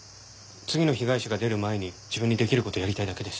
次の被害者が出る前に自分にできる事をやりたいだけです。